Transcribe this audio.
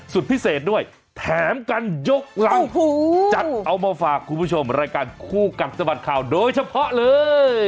พิเศษด้วยแถมกันยกรังจัดเอามาฝากคุณผู้ชมรายการคู่กัดสะบัดข่าวโดยเฉพาะเลย